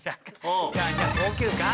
じゃあじゃあ「高級感」。